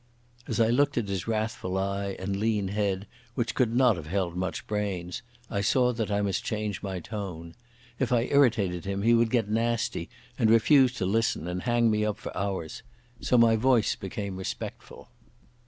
As I looked at his wrathful eye and lean head, which could not have held much brains, I saw that I must change my tone. If I irritated him he would get nasty and refuse to listen and hang me up for hours. So my voice became respectful.